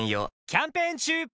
キャンペーン中！